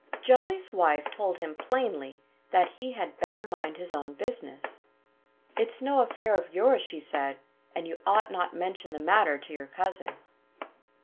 Jolly's wife told him plainly that he had better mind his own business. "It's no affair of yours," she said. "And you ought not to mention the matter to your cousin."